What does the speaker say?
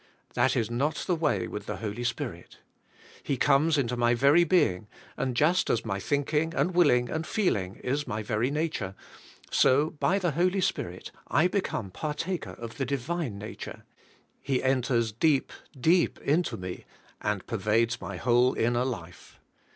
That is not the way with the Holy Spirit. He comes into my very being" and just as my thinking" and willing and feel ing is my very nature, so by the Holy Spirit, I be come partaker of the divine nature; He enters deep, deep, into me and prevades my whole inner life.